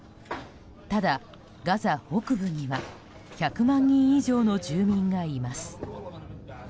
ただ、ガザ北部には１００万人以上の住民がいます。